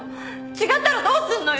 違ったらどうするのよ！